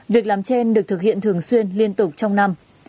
việc làm trên được thực hiện thường xuyên liên tục trong năm